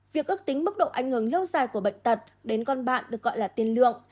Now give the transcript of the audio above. việc ước tính mức độ ảnh hưởng lâu dài của bệnh tật đến con bạn được gọi là tiền lượng